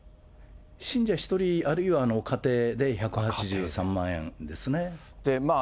信者１人あるいは家庭で１８３万円ですね。